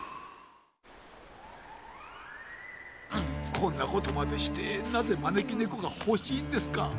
こんなことまでしてなぜまねきねこがほしいんですか？